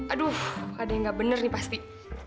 aduh ada yang nggak bener nih pasti